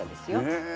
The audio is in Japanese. へえ！